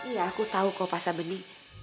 ya aku tau kok fasabendi